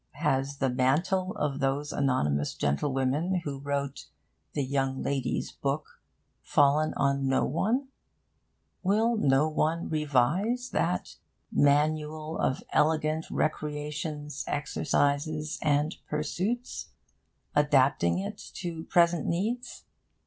Has the mantle of those anonymous gentlewomen who wrote The Young Lady's Book fallen on no one? Will no one revise that 'Manual of Elegant Recreations, Exercises, and Pursuits,' adapting it to present needs?...